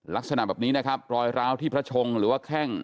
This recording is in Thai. ลักษณะแบบนี้นะครับรอยร้าวที่พระชงหรือว่าแข้ง